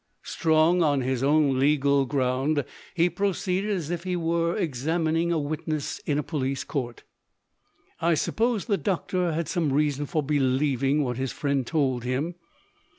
Strong on his own legal ground, he proceeded as if he was examining a witness in a police court. "I suppose the doctor had some reason for believing what his friend told him?"